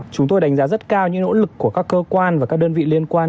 chúng tôi đánh giá rất cao những nỗ lực của các cơ quan và các đơn vị liên quan